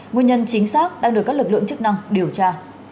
nguyên nhân chính xác đang được các lực lượng chức năng điều tra